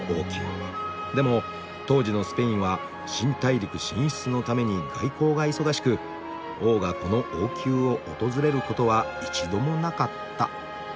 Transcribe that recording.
でも当時のスペインは新大陸進出のために外交が忙しく王がこの王宮を訪れることは一度もなかった」か。